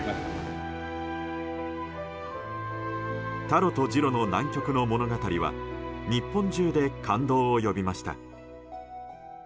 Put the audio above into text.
タロとジロの南極の物語は日本中で感動を呼びました。